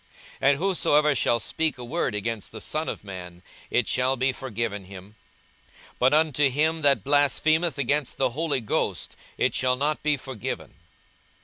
42:012:010 And whosoever shall speak a word against the Son of man, it shall be forgiven him: but unto him that blasphemeth against the Holy Ghost it shall not be forgiven.